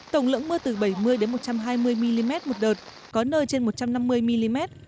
tổng lượng mưa từ bảy mươi một trăm hai mươi mm một đợt có nơi trên một trăm năm mươi mm